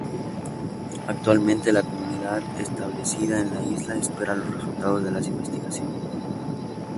Actualmente la comunidad establecida en la isla espera los resultados de las investigaciones.